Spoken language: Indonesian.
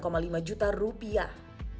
hingga sembilan lima juta rupiah